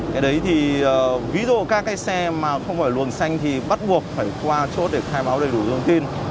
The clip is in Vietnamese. cái đấy thì ví dụ các cái xe mà không phải luồng xanh thì bắt buộc phải qua chốt để khai báo đầy đủ thông tin